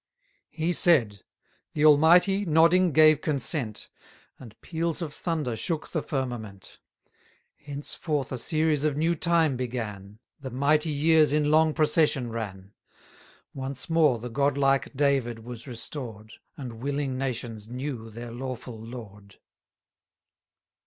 He said: The Almighty, nodding, gave consent; And peals of thunder shook the firmament. Henceforth a series of new time began, The mighty years in long procession ran: Once more the god like David was restored, 1030 And willing nations knew their lawful lord.